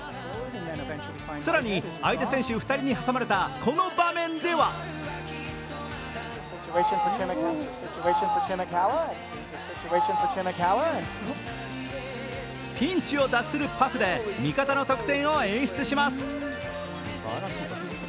更に相手選手２人に挟まれたこの場面ではピンチを脱するパスで味方の得点を演出します。